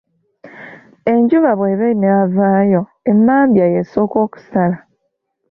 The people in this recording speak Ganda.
Enjuba bw'eba enaavaayo emmambya y'esooka okusala.